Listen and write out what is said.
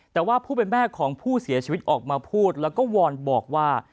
แต่ว่าผู้เป็นแม่ของผู้เสียชีวิตออกมาพูดแล้วก็วอนบอกว่า